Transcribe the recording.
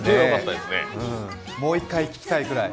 もう一回聴きたいぐらい。